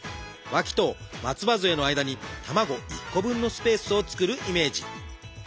わきと松葉づえの間に卵１個分のスペースを作るイメージ。